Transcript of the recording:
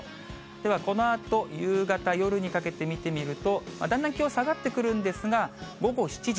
では、このあと夕方、夜にかけて見てみると、だんだん気温下がってくるんですが、午後７時。